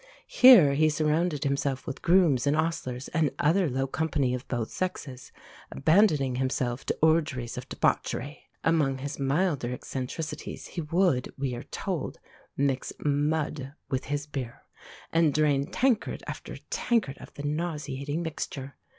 Here he surrounded himself with grooms and ostlers, and other low company of both sexes, abandoning himself to orgies of debauchery. Among his milder eccentricities he would, we are told, mix mud with his beer, and drain tankard after tankard of the nauseating mixture.